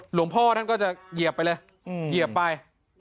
หลวงพ่อท่านก็จะเหยียบไปเลยเหยียบไป